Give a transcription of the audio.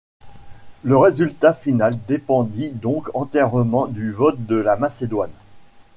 Le résultat final dépendit donc entièrement du vote de la Macédoine.